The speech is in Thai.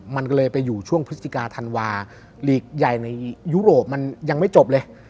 มันก็เลยไปอยู่ช่วงพฤศจิกาธันวาลีกใหญ่ในยุโรปมันยังไม่จบเลย